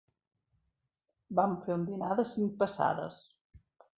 Vam fer un dinar de cinc passades.